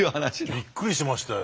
びっくりしましたよ。